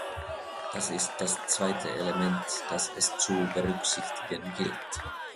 Das ist das zweite Element, das es zu berücksichtigen gilt.